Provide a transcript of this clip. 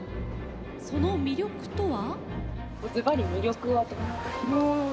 その魅力とは？